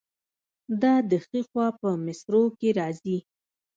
دا د ښي خوا په مصرو کې راځي.